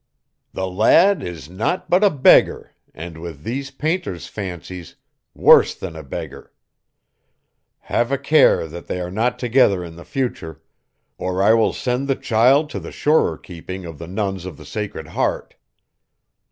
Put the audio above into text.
"The lad is naught but a beggar, and, with these painter's fancies, worse than a beggar. Have a care that they are not together in the future, or I will send the child to the surer keeping of the nuns of the Sacred Heart."